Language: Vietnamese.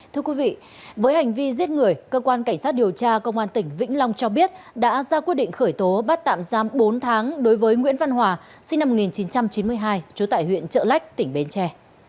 thưa quý vị với hành vi giết người cơ quan cảnh sát điều tra công an tỉnh vĩnh long cho biết đã ra quyết định khởi tố bắt tạm giam bốn tháng đối với nguyễn văn hòa sinh năm một nghìn chín trăm chín mươi hai trú tại huyện trợ lách tỉnh bến tre